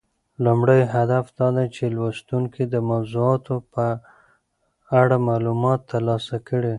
لومړی هدف دا دی چې لوستونکي د موضوعاتو په اړه معلومات ترلاسه کړي.